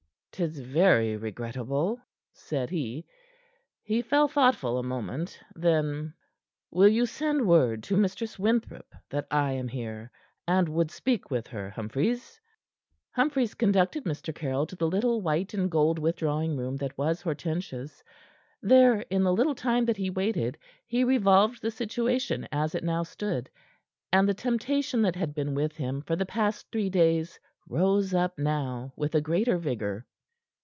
"'Tis very regrettable," said he. He fell thoughtful a moment. Then: "Will you send word to Mistress Winthrop that I am here, and would speak with her, Humphries?" Humphries conducted Mr. Caryll to the little white and gold withdrawing room that was Hortensia's. There, in the little time that he waited, he revolved the situation as it now stood, and the temptation that had been with him for the past three days rose up now with a greater vigor.